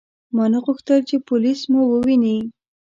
ما نه غوښتل چې پولیس مو وویني.